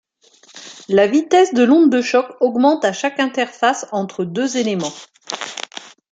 La vitesse de l'onde de choc augmente à chaque interface entre deux éléments.